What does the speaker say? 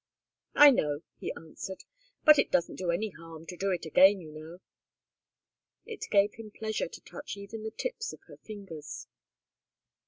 "I know," he answered. "But it doesn't do any harm to do it again, you know." It gave him pleasure to touch even the tips of her fingers.